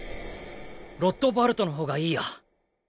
ロットバルトの方がいいや。